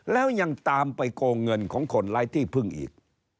แล้วยังตามไปโกงเงินของคนไร้ที่พึ่งอีก